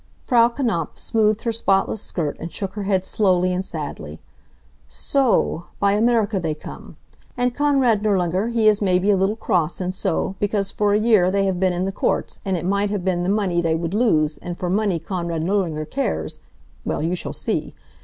Frau Knapf smoothed her spotless skirt and shook her head slowly and sadly. "So o o o, by Amerika they come. And Konrad Nirlanger he is maybe a little cross and so, because for a year they have been in the courts, and it might have been the money they would lose, and for money Konrad Nirlanger cares well, you shall see.